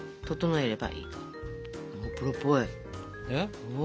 えっ？